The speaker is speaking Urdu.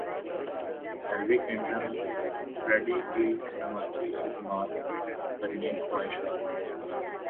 ہیلری کلنٹن فریدی کی سماجی خدمات پر نیک خواہشات